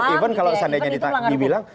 even kalau seandainya dibilang